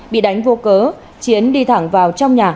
bị đánh vô cớ chiến đi thẳng vào trong nhà